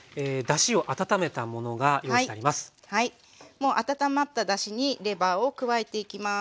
もう温まっただしにレバーを加えていきます。